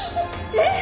えっ？